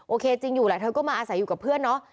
จริงอยู่แหละเธอก็มาอาศัยอยู่กับเพื่อนเนาะ